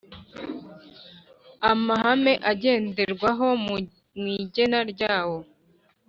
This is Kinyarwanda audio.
amahame agenderwaho mu igena ryawo